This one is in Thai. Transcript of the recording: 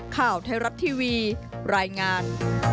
ข่าวไทยรัฐทีวีรายงาน